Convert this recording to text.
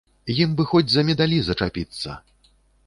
Ім бы хоць за медалі зачапіцца.